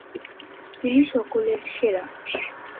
তিনি সকলের সেরা।